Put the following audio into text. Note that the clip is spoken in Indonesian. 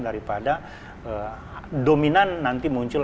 daripada dominan nanti muncul